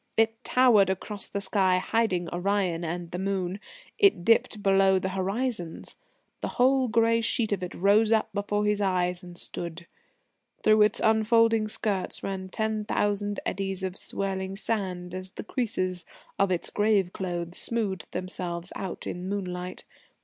It towered across the sky, hiding Orion and the moon; it dipped below the horizons. The whole grey sheet of it rose up before his eyes and stood. Through its unfolding skirts ran ten thousand eddies of swirling sand as the creases of its grave clothes smoothed themselves out in moonlight.